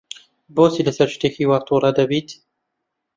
بۆچی لەسەر شتێکی وا تووڕە دەبێت؟